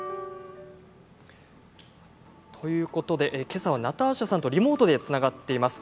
けさはナターシャさんとリモートでつながっています。